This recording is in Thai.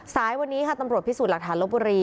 สายวันนี้ค่ะตำรวจพิสูจน์หลักฐานลบบุรี